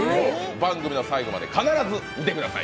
番組の最後まで必ず見てください。